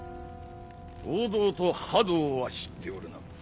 王道と覇道は知っておるな。